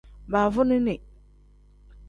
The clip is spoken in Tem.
Baavunini.